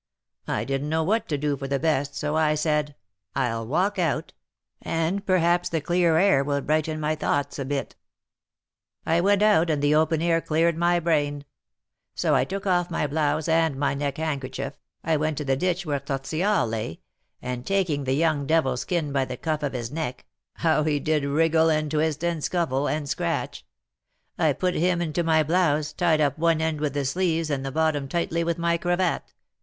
I didn't know what to do for the best, so I said, 'I'll walk out, and perhaps the clear air will brighten my thoughts a bit.' I went out, and the open air cleared my brain; so I took off my blouse and my neck handkerchief, I went to the ditch where Tortillard lay, and taking the young devil's kin by the cuff of his neck, how he did wriggle, and twist, and scuffle, and scratch! I put him into my blouse, tying up one end with the sleeves and the bottom tightly with my cravat.